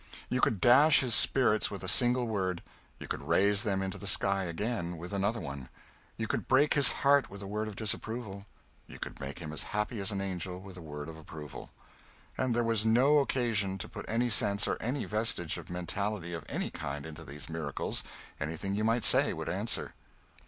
You could dash his spirits with a single word; you could raise them into the sky again with another one. You could break his heart with a word of disapproval; you could make him as happy as an angel with a word of approval. And there was no occasion to put any sense or any vestige of mentality of any kind into these miracles; anything you might say would answer.